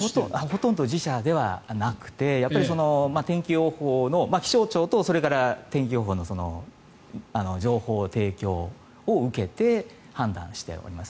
ほとんど自社ではなくてやっぱり、気象庁とそれから天気予報の情報提供を受けて判断してます。